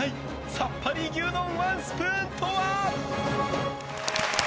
さっぱり牛丼ワンスプーンとは？